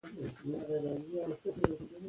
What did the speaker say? د تبه کچه بدلون ثبت کړئ.